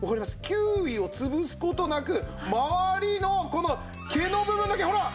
キウイを潰す事なく周りのこの毛の部分だけほら！